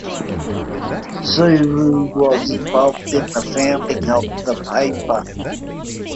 Xu Wu was involved in the founding of the paper.